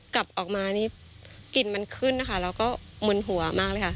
กลับออกมานี่กลิ่นมันขึ้นนะคะแล้วก็มึนหัวมากเลยค่ะ